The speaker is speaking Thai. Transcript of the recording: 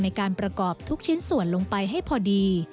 ในการประกอบทุกชิ้นส่วนลงไปให้พอดี